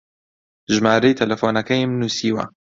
ژمارەی تەلەفۆنەکەیم نووسیوە.